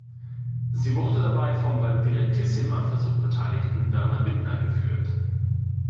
Sie wurde dabei vom beim Direttissima-Versuch beteiligten Werner Bittner geführt.